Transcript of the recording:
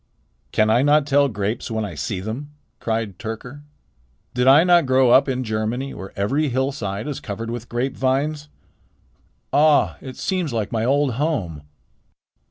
"Can I not tell grapes when I see them?" cried Tyrker. "Did I not grow up in Germany, where every hillside is covered with grapevines? Ah! it seems like my old home."